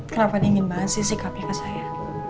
kenapa dingin banget sih sikapnya ke saya